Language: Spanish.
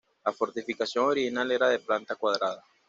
La fortificación original era de planta cuadrada.